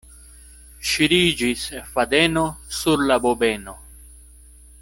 Ŝiriĝis fadeno sur la bobeno.